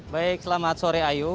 baik selamat sore ayu